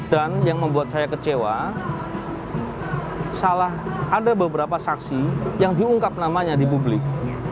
dan yang membuat saya kecewa salah ada beberapa saksi yang diungkap namanya di publik